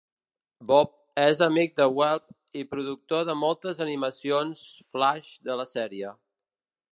Bob és amic de Weebl i productor de moltes animacions flaix de la sèrie.